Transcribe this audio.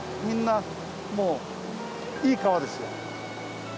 みんなもういい川ですよ。